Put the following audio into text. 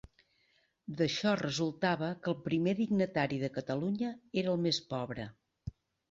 D'això resultava que el primer dignatari de Catalunya era el més pobre.